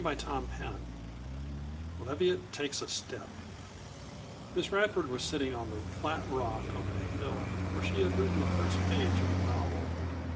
CHAPTER XVI LEVIATT TAKES A STEP Miss Radford was sitting on the flat rock on the hill where she had written the first page of her novel.